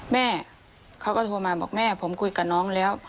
แม่เขาก็โทรมาบอกแม่ผมคุยกับน้องแล้ว